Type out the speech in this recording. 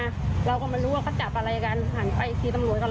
คนมันเยอะเขาก็ไม่น่าจะยิงฟื้นนะนะคนมันเยอะมากเลยอ่ะ